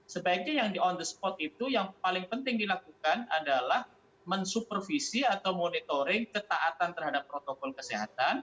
sebaiknya yang di on the spot itu yang paling penting dilakukan adalah mensupervisi atau monitoring ketaatan terhadap protokol kesehatan